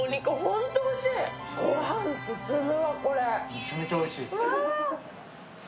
御飯進むわ、これ。